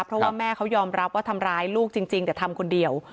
เพราะว่าแม่เขายอมรับว่าทำร้ายลูกจริงแต่ทำคนเดียว